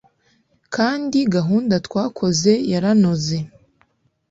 kandi gahunda twakoze yaranoze